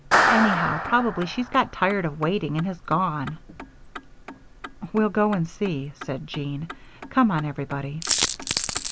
Anyhow, probably she's got tired of waiting and has gone." "We'll go and see," said Jean. "Come on, everybody."